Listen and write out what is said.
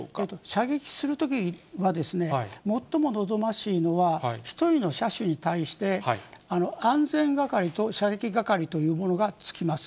射撃するときは、最も望ましいのは、１人の射手に対して、安全係と射撃係という者がつきます。